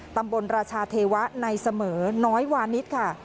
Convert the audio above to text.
ราชาเทวะในเสมอน้อยวานิสค่ะ